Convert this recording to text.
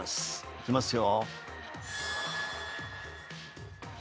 いきますよ。